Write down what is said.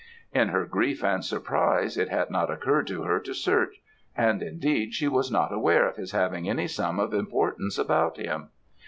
"In her grief and surprise it had not occurred to her to search and indeed she was not aware of his having any sum of importance about him.